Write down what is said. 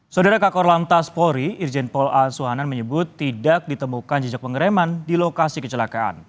saudara kakor lantas polri irjen pol a suhanan menyebut tidak ditemukan jejak pengereman di lokasi kecelakaan